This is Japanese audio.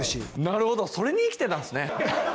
なるほどそれに生きてたんですね。